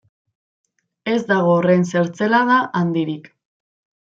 Ez dago horren zertzelada handirik.